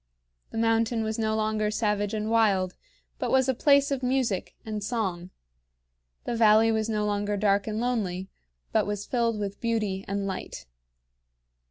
The mountain was no longer savage and wild, but was a place of music and song; the valley was no longer dark and lonely, but was filled with beauty and light.